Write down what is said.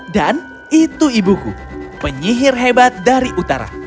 dan itu ibuku penyihir hebat dari utara